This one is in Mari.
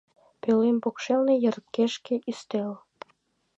Пӧлем покшелне йыргешке ӱстел...